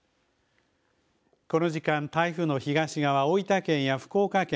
この時間、台風の東側、大分県や福岡県、